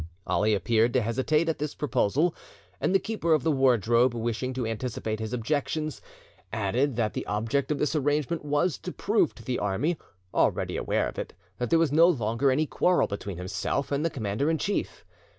Ali appeared to hesitate at this proposal, and the keeper of the wardrobe, wishing to anticipate his objections, added that the object of this arrangement was, to prove to the army, already aware of it, that there was no longer any quarrel between himself and the commander in chief.